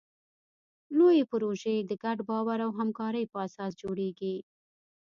لویې پروژې د ګډ باور او همکارۍ په اساس جوړېږي.